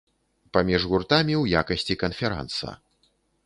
Паміж гуртамі ў якасці канферанса.